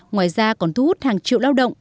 ngoài ra còn thu hút hàng triệu lao động